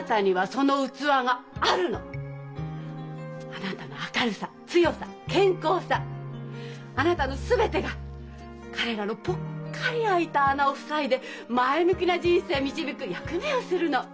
あなたの明るさ強さ健康さあなたの全てが彼らのぽっかり開いた穴を塞いで前向きな人生導く役目をするの！